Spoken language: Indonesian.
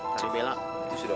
tapi bella itu sudah